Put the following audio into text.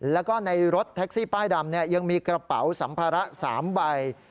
แล้วก็ในรถแท็กซี่ป้ายดำยังมีกระเป๋าสัมภาระ๓ใบ